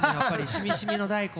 しみしみの大根。